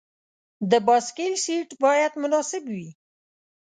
د بایسکل سیټ باید مناسب وي.